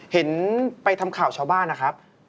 เห็นไปทำข่าวชาวบ้านนะครับ